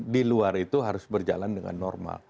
diluar itu harus berjalan dengan normal